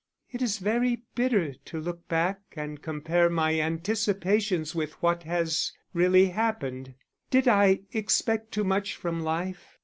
_ _It is very bitter to look back and compare my anticipations with what has really happened. Did I expect too much from life?